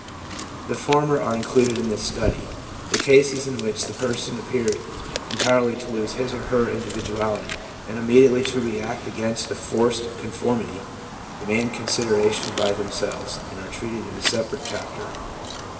The former are included in this study. The cases in which the person appeared entirely to lose his or her individuality, and immediately to react against a forced conformity, demand consideration by them selves, and are treated in a separate chapter.